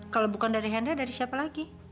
kalau bukan dari hendra dari siapa lagi